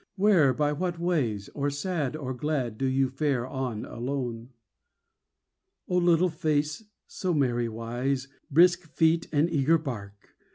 Where, by what ways, or sad or glad, Do you fare on alone? Oh, little face, so merry wise, Brisk feet and eager bark!